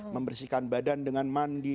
membersihkan badan dengan mandi